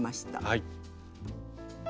はい。